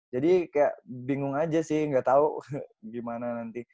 jadi kayak bingung aja sih enggak tahu gimana nanti